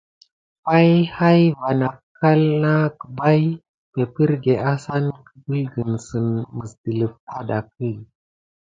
Pay hayi va akelin na kubaye perpriké asane kubeline si an misdelife adake.